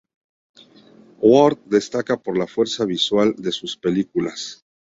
Ward destaca por la fuerza visual de sus películas.